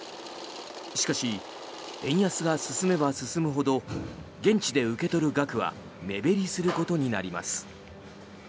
しかし、円安が進めば進むほど現地で受け取る額は目減りすることになります。